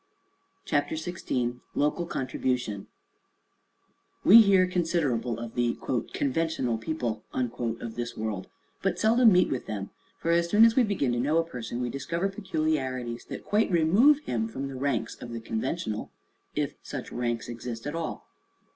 CHAPTER XVI LOCAL CONTRIBUTION We hear considerable of the "conventional people" of this world, but seldom meet with them; for, as soon as we begin to know a person, we discover peculiarities that quite remove him from the ranks of the conventional if such ranks exist at all.